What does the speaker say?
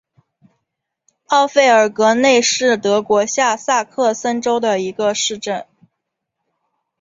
奥费尔格内是德国下萨克森州的一个市镇。